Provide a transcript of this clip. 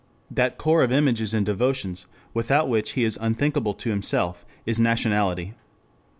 That core of images and devotions without which he is unthinkable to himself, is nationality.